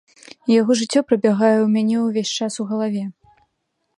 Яго жыццё прабягае ў мяне ўвесь час у галаве.